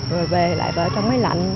rồi về lại ở trong máy lạnh